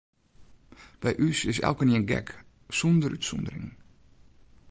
By ús is elkenien gek, sûnder útsûndering.